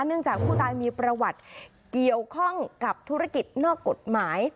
จากผู้ตายมีประวัติเกี่ยวข้องกับธุรกิจนอกกฎหมาย